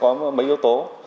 có mấy yếu tố